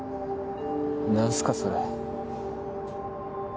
何すかそれ。